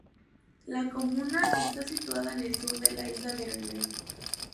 La comuna está situada en el sur de la isla de Reunión.